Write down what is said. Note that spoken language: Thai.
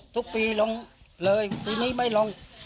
ทุกปีลงเลยปีนี้ไม่ลง